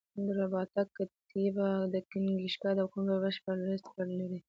د رباطک کتیبه د کنیشکا د واکمنۍ بشپړه لېست لري